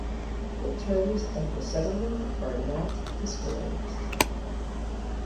The terms of the settlement are not disclosed.